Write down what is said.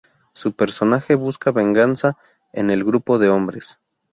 Su personaje busca venganza en el grupo de hombres.